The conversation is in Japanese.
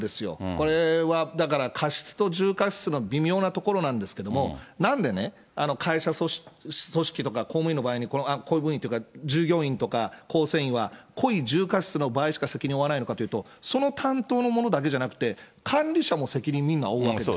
これはだから過失と重過失の微妙なところなんですけども、なんでね、会社組織とか公務員の場合に、公務員っていうか、従業員とか構成員は、故意、重過失の場合しか責任を負わないのかっていうと、その担当の者だけじゃなくて、管理者も責任任務を負うわけです。